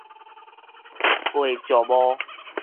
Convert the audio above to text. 挨石磨